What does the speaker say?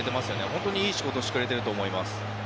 本当にいい仕事をしてくれていると思います。